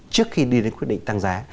trước khi đi đến quyết định tăng giá